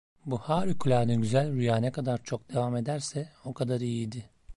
Bu harikulade güzel rüya ne kadar çok devam ederse o kadar iyiydi.